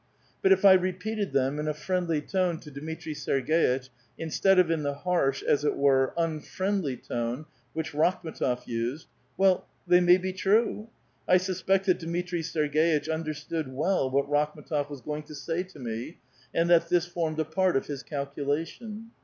But if I repeated them in a friendly tone to Dmitri Serg^itch, instead of in the harsh, as it were, unfriendly, tone which Rakhm6tof used, — well, they may be true. I suspect that Dmitri 8erg6itch under 8t(Kxl well what Rakhm^tof was going to say to me, and that this formed a part of his calculation.